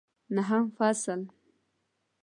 نهم فصل